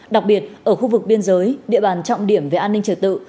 đặc biệt ở khu vực biên giới địa bàn trọng điểm về an ninh trở tự